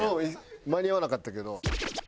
間に合わなかったけど。